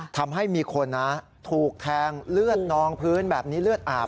ทำให้มีคนนะถูกแทงเลือดนองพื้นแบบนี้เลือดอาบ